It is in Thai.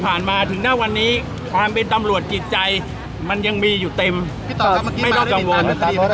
ไม่ได้ถอยนะไม่ได้ถอยพี่ไม่ได้ถอยอยู่แล้วพี่ต่อครับพี่ต่อครับ